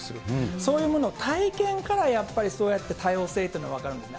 そういうものを体験からやっぱり、そうやって多様性というのが分かるんですね。